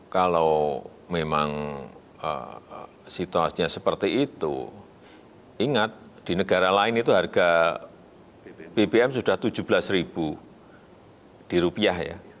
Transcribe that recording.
kalau memang situasinya seperti itu ingat di negara lain itu harga bbm sudah tujuh belas ribu di rupiah ya